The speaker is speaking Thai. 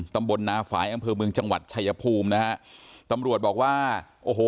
ตำบลนาฝ่ายอำเภอเมืองจังหวัดชายภูมินะฮะตำรวจบอกว่าโอ้โห